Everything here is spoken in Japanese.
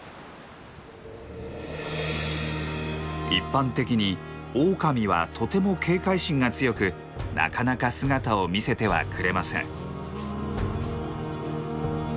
一般的にオオカミはとても警戒心が強くなかなか姿を見せてはくれません。